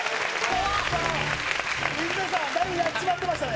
水谷さん、だいぶやっちまってましたね。